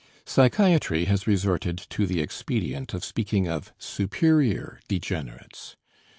Psychiatry has resorted to the expedient of speaking of "superior degenerates."